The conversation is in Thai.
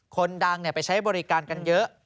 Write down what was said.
คนดังไปใช้บริการกันเยอะ